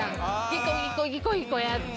ギコギコギコギコやって。